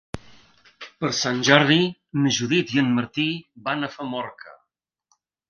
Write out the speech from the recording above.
Per Sant Jordi na Judit i en Martí van a Famorca.